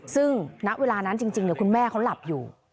ซึ่งณเวลานั้นจริงคุณแม่เขาหลับอยู่